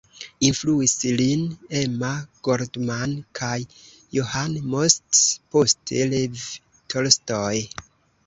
Influis lin Emma Goldman kaj Johann Most, poste Lev Tolstoj.